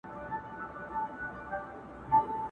جهاني اوس دي په ژبه پوه سوم!!